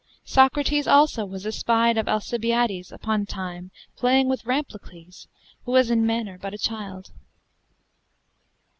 Socrates also was espied of Alcibiades upon a time, playing with Lamprocles, who was in manner but a childe.